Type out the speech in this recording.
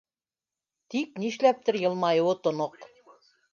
Тик нишләптер йылмайыуы тоноҡ.